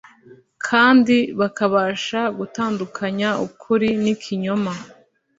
kandi bakabasha gutandukanya ukuri nikinyoma